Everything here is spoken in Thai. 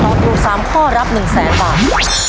ตอบถูกสามข้อรับหนึ่งแสนบาท